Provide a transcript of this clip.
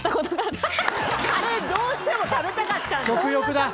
カレーどうしても食べたかったんだ！